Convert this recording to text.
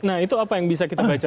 nah itu apa yang bisa kita baca